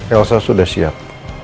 elsa sudah siap